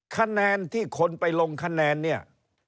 คะแนนที่คนไปลงคะแนนเนี่ย